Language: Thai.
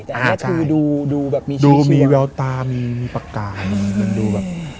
อ่าใช่แต่แค่คือดูดูแบบมีชีวิตดูมีแววตามีมีปากกามีมันดูแบบ